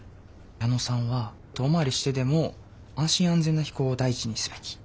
矢野さんは遠回りしてでも安心安全な飛行を第一にすべき。